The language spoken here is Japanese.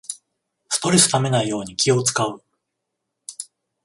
ストレスためないように気をつかう